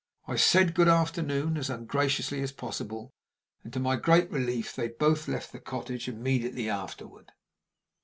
I said good afternoon as ungraciously as possible, and, to my great relief, they both left the cottage immediately afterward.